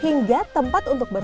hingga tempat untuk berbicara